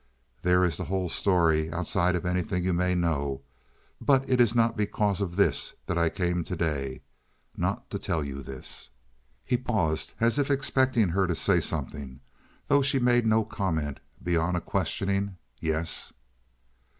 There is the whole story outside of anything you may know. But it is not because of this that I came to day. Not to tell you this." He paused, as if expecting her to say something, though she made no comment beyond a questioning "Yes?"